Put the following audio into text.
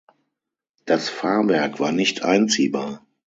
Das Fahrwerk war nicht einziehbar.